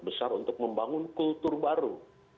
besar untuk membangun kultur baru